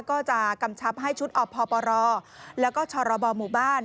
ก็จะกำชับให้ชุดอภและก็ชบหมู่บ้าน